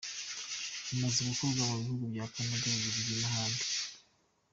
Bimaze gukorwa mu bihugu bya Canada, u Bubiligi, n’ahandi.